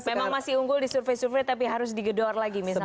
memang masih unggul di survei survei tapi harus digedor lagi misalnya